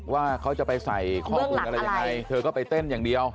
ว่าเขาจะไปใส่ข้อมูลอะไรยังไงเธอก็ไปเต้นอย่างเดียว